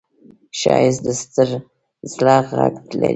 ښایست د ستر زړه غږ دی